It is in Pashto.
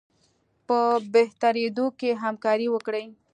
په بهترېدلو کې همکاري وکړي.